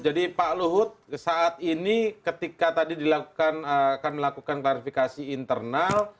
jadi pak luhut saat ini ketika tadi dilakukan akan melakukan klarifikasi internal